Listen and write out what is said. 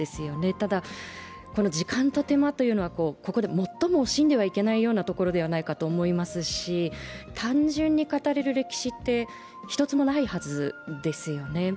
ただ、時間と手間というのはここで最も惜しんではいけないようなところではないかと思いますし単純に語れる歴史って一つもないはずですよね。